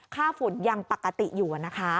ฝุ่นยังปกติอยู่นะคะ